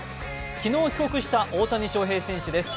昨日帰国した大谷翔平選手です。